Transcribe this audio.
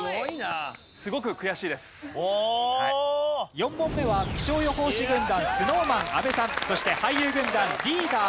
４問目は気象予報士軍団ＳｎｏｗＭａｎ阿部さんそして俳優軍団リーダー